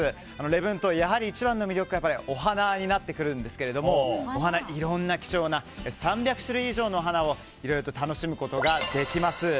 礼文島、一番の魅力はお花になってくるんですけどいろんな希少な３００種類以上のお花をいろいろと楽しむことができます。